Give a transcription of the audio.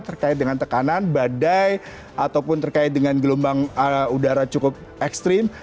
terkait dengan tekanan badai ataupun terkait dengan gelombang udara cukup ekstrim